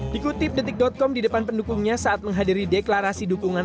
dikutip detik com di depan pendukungnya saat menghadiri deklarasi dukungan